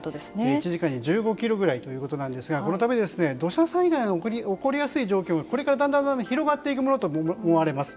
１時間に１５ｋｍぐらいということなんですがこれから土砂災害が起こりやすい状況がこれから、だんだん広がっていくものと思われます。